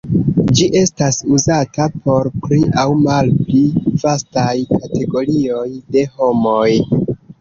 Ĝi estas uzata por pli aŭ malpli vastaj kategorioj de homoj.